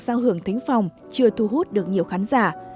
giao hưởng thính phòng chưa thu hút được nhiều khán giả